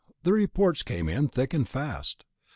The reports came in thick and fast.